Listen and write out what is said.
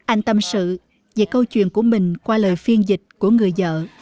anh tâm sự về câu chuyện của mình qua lời phiên dịch của người vợ